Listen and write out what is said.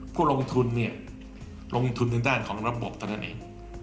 ผู้ลงทุนเนี่ยลงทุนทางด้านของระบบเท่านั้นเอง